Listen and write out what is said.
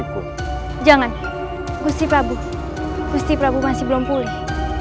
tidak gusti prabu masih belum pulih